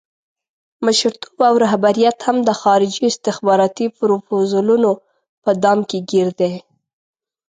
مشرتوب او رهبریت هم د خارجي استخباراتي پروفوزلونو په دام کې ګیر دی.